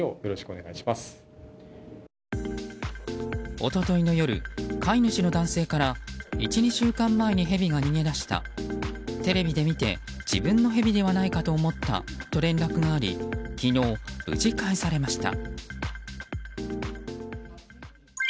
一昨日の夜、飼い主の男性から１２週間前にヘビが逃げ出したテレビで見て自分のヘビではないかと思ったと連絡があり昨日、無事返されました。